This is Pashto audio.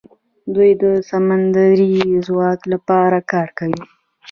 دوی د سمندري ځواک لپاره کار کوي.